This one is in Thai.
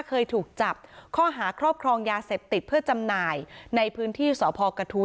เคยถูกจับข้อหาครอบครองยาเสพติดเพื่อจำหน่ายในพื้นที่สพกระทู้